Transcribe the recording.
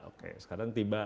oke sekarang tiba